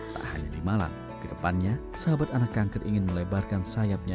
tak hanya di malang kedepannya sahabat anak kanker ingin melebarkan sayapnya